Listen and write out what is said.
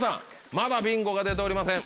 まだビンゴが出ておりません。